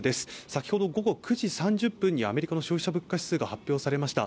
先ほど午後９時３０分にアメリカの消費者物価指数が発表されました。